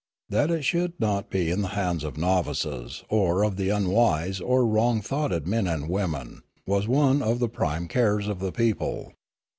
That it should not be in the hands of novices, or of unwise or wrong thoughted men and women, was one of the prime cares of the people.